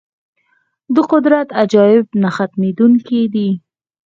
د قدرت عجایب نه ختمېدونکي دي.